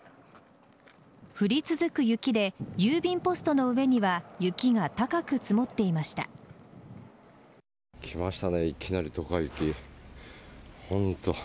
降り続く雪で郵便ポストの上には雪が高く積もっていました。